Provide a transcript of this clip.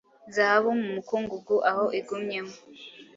Zahabu mu mukungugu aho igumye mo